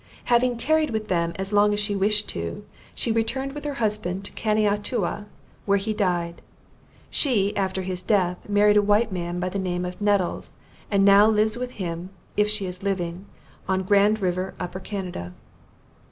Having tarried with them as long as she wished to, she returned with her husband to Can a ah tua, where he died. She, after his death, married a white man by the name of Nettles, and now lives with him (if she is living) on Grand River, Upper Canada.